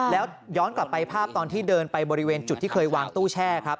แล้วย้อนกลับไปภาพตอนที่เดินไปบริเวณจุดที่เคยวางตู้แช่ครับ